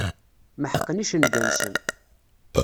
Meḥqen icenga-nsen.